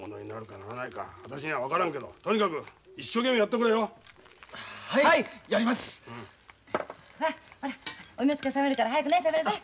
おみおつけが冷めるから早くね食べなさい。